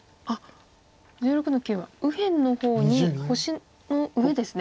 １６の九は右辺の方に星の上です。